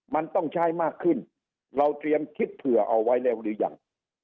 มันต้องใช้มากขึ้นเราเตรียมคิดเผื่อเอาไว้แล้วหรือยัง